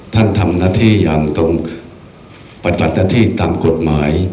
ท่านทำหน้าที่ตามกฎหมาย